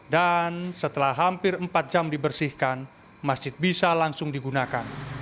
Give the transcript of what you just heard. dan setelah hampir empat jam dibersihkan masjid bisa langsung digunakan